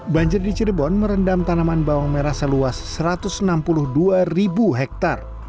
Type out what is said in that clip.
banjir di cirebon merendam tanaman bawang merah seluas satu ratus enam puluh dua ribu hektare